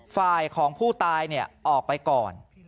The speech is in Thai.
ฝ่ายของผู้ตายออกไปก่อน